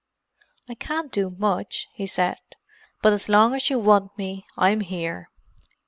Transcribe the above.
"I can't do much," he said. "But as long as you want me, I'm here.